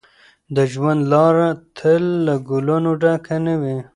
د ژوند لاره تل له ګلانو ډکه نه وي.